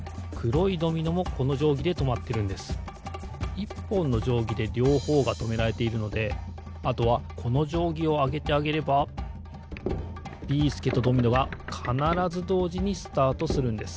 １ぽんのじょうぎでりょうほうがとめられているのであとはこのじょうぎをあげてあげればビーすけとドミノがかならずどうじにスタートするんです。